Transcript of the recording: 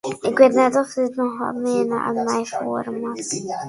Ik wit net oft it noch wat mear nei foaren moat?